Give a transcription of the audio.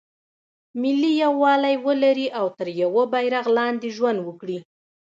ملي یووالی ولري او تر یوه بیرغ لاندې ژوند وکړي.